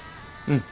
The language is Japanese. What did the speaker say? うん。